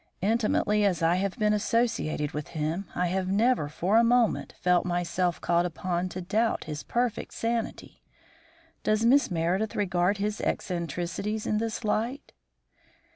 "Intimately as I have been associated with him I have never for a moment felt myself called upon to doubt his perfect sanity. Does Miss Meredith regard his eccentricities in this light?"